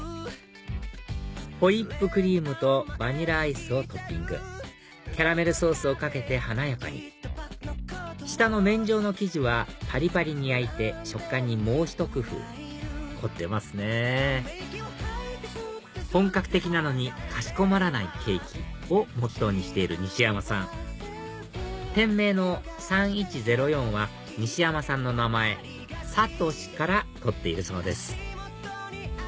ホイップクリームとバニラアイスをトッピングキャラメルソースをかけて華やかに下の麺状の生地はパリパリに焼いて食感にもうひと工夫凝ってますね「本格的なのにかしこまらないケーキ」をモットーにしている西山さん店名の「３１０４」は西山さんの名前「さとし」から取っているそうです